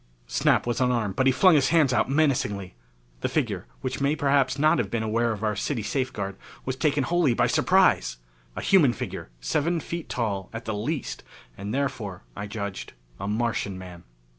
Snap was unarmed but he flung his hands out menacingly. The figure, which may perhaps not have been aware of our city safeguard, was taken wholly by surprise. A human figure, seven feet tall at the least, and therefore, I judged, a Martian man.